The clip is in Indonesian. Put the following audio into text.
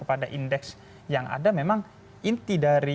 karena ini adalah sebuah potensi ekonomi yang yang besar yup